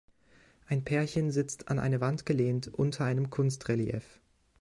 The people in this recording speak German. Ein Pärchen sitzt an eine Wand gelehnt unter einem Kunstrelief.